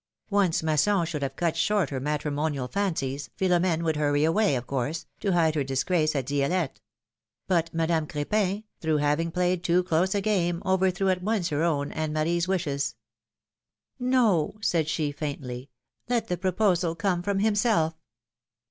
Once Masson should have cut short her matrimonial fancies, Philom^ne \vould hurry away, of course, to hide her disgrace at Di^lette; but Madame Cr^pin, through having played too close a game, over threw at once her own and Marie's wishes. No," said she, faintly ; let the proposal come from himself."